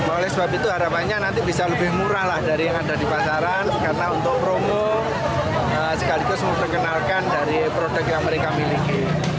oleh sebab itu harapannya nanti bisa lebih murah lah dari yang ada di pasaran karena untuk promo sekaligus memperkenalkan dari produk yang mereka miliki